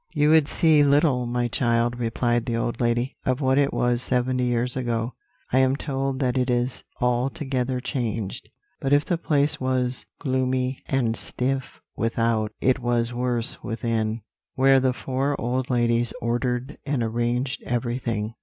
"You would see little, my child," replied the old lady, "of what it was seventy years ago. I am told that it is altogether changed. But if the place was gloomy and stiff without, it was worse within, where the four old ladies ordered and arranged everything.